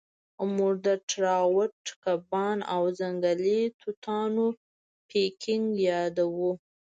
موږ د ټراوټ کبانو او ځنګلي توتانو پینکیک یادوو